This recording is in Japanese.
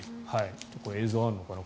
これ、映像があるのかな。